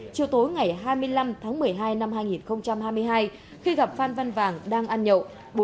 chiều tối ngày hai mươi năm tháng một mươi hai năm hai nghìn hai mươi hai khi gặp phan văn vàng đang ăn nhậu